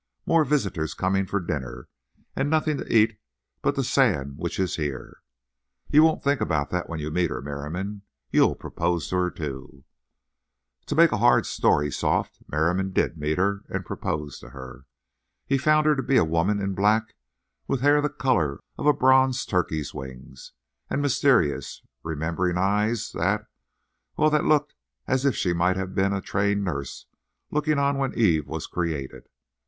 more visitors coming for dinner, and nothing to eat but the sand which is here.' But you won't think about that when you meet her, Merriam. You'll propose to her too." To make a hard story soft, Merriam did meet her and propose to her. He found her to be a woman in black with hair the colour of a bronze turkey's wings, and mysterious, remembering eyes that—well, that looked as if she might have been a trained nurse looking on when Eve was created.